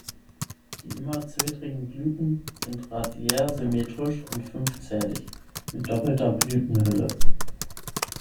Die immer zwittrigen Blüten sind radiärsymmetrisch und fünfzählig mit doppelter Blütenhülle.